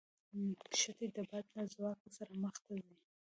کښتۍ د باد له ځواک سره مخ ته ځي.